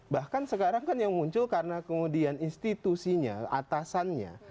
bahkan sekarang kan yang muncul karena kemudian institusinya atasannya